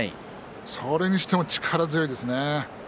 それにしても力強いですね。